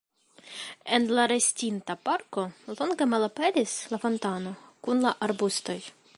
En la restinta parko longe malaperis la fontano kun la arbustoj.